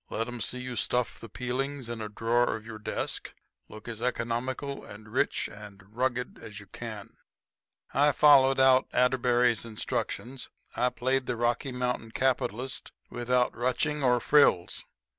Let 'em see you stuff the peelings in a drawer of your desk. Look as economical and rich and rugged as you can." I followed out Atterbury's instructions. I played the Rocky Mountain capitalist without ruching or frills.